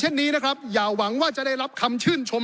ขอประท้วงครับขอประท้วงครับขอประท้วงครับขอประท้วงครับ